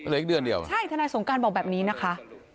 เล็กเดือนเดียวใช่ทนายสงการบอกแบบนี้นะคะ